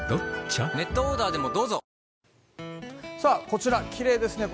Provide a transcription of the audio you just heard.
こちら、きれいですね。